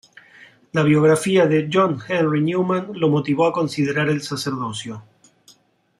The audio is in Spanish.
La biografía de John Henry Newman lo motivó a considerar el sacerdocio.